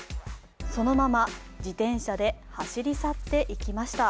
そのまま自転車で走り去っていきました。